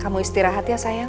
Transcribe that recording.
kamu istirahat ya sayang